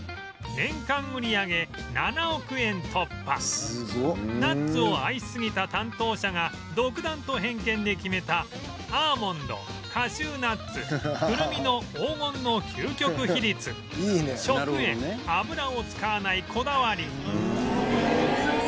突破ナッツを愛しすぎた担当者が独断と偏見で決めたアーモンド・カシューナッツ・くるみの黄金の究極比率食塩・油を使わないこだわり」